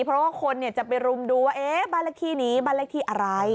เพราะว่าคนจะไปรุมดูว่าบ้านเลขที่นี้บ้านเลขที่อะไร